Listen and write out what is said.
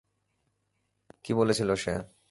কী বলেছিল সে?